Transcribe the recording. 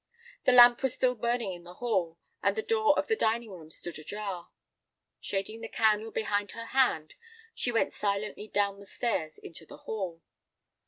The lamp was still burning in the hall, and the door of the dining room stood ajar. Shading the candle behind her hand, she went silently down the stairs into the hall.